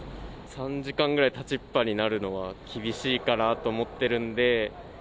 ３時間くらい立ちっぱになるのは厳しいかなと思ってるんで。